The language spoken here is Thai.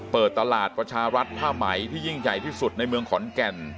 เปิดตลาดประชารัฐผ้าไหมที่ยิ่งใหญ่ที่สุดในเมืองขอนแก่น